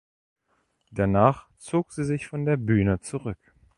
Danach zog sie sich von der Bühne zurück.